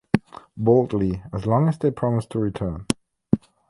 Baldy as long as they promised to return.